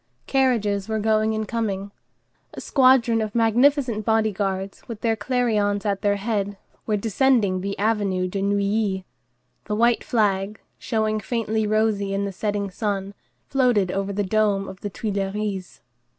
Carriages were going and coming. A squadron of magnificent body guards, with their clarions at their head, were descending the Avenue de Neuilly; the white flag, showing faintly rosy in the setting sun, floated over the dome of the Tuileries.